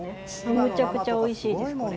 むちゃくちゃおいしいですこれ。